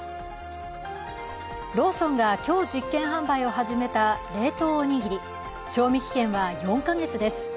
ローソンが今日、実験販売を始めた冷凍おにぎり、賞味期限は４か月です。